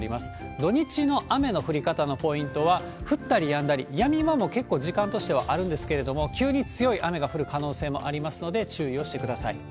土日の雨の降り方のポイントは、降ったりやんだり、やみ間も結構時間としてはあるんですけれども、急に強い雨が降る可能性もありますので、注意をしてください。